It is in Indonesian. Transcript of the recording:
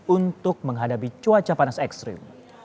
untuk menghadapi cuaca panas ekstrim